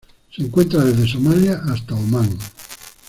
Se encuentra desde Somalia hasta Omán.